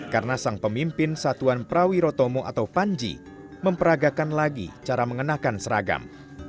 karena sang pemimpin satuan prawi rotomo atau panji memperagakan lagi cara mengenakan seragam